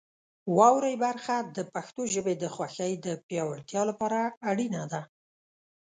واورئ برخه د پښتو ژبې د خوښۍ د پیاوړتیا لپاره اړینه ده.